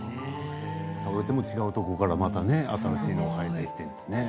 違うところから、また新しいものが生えてきてね。